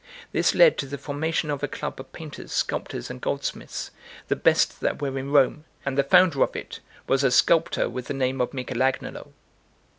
This led to the formation of a club of painters, sculptors, and goldsmiths, the best that were in Rome; and the founder of it was a sculptor with the name of Michel Agnolo.